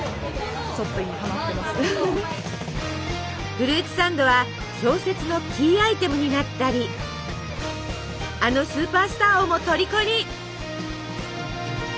フルーツサンドは小説のキーアイテムになったりあのスーパースターをもとりこに！